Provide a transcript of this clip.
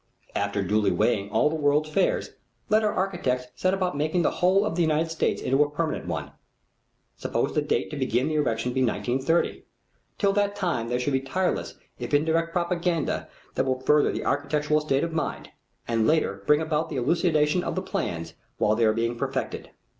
After duly weighing all the world's fairs, let our architects set about making the whole of the United States into a permanent one. Supposing the date to begin the erection be 1930. Till that time there should be tireless if indirect propaganda that will further the architectural state of mind, and later bring about the elucidation of the plans while they are being perfected.